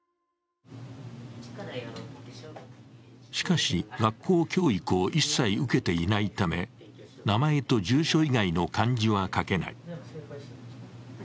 しかし、学校教育を一切受けていないため名前と住所以外の漢字は書けない。